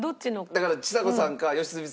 だからちさ子さんか良純さん